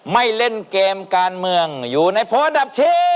ไม่เล่นเกมการเมืองอยู่ในโพลอันดับที่